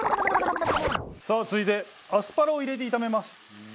さあ続いてアスパラを入れて炒めます。